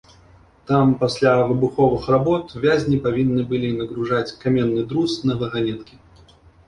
Там пасля выбуховых работ вязні павінны былі нагружаць каменны друз на ваганеткі.